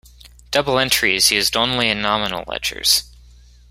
Double entry is used only in nominal ledgers.